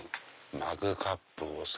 マグカップお皿。